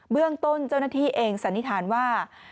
เรื่องต้นเจ้าหน้าที่เองสันนิษฐานว่า